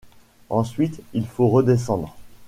Ensuite, il faut redescendre.